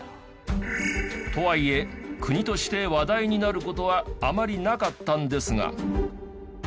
とはいえ国として話題になる事はあまりなかったんですが。